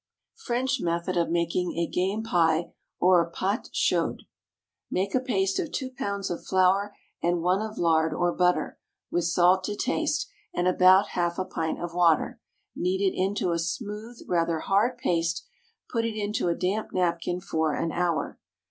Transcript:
French Method of Making a Game Pie or Pâte Chaude. Make a paste of two pounds of flour and one of lard or butter, with salt to taste and about half a pint of water; knead it into a smooth, rather hard paste; put it into a damp napkin for an hour.